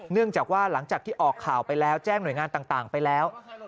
เนื่องจากว่าหลังจากที่ออกข่าวไปแล้วแจ้งหน่วยงานต่างไปแล้ว